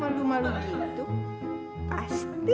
malu malu gitu pasti